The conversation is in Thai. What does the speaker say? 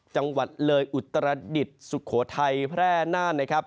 จังหวัดเลยอุตรดิษฐ์สุโขทัยแพร่น่านนะครับ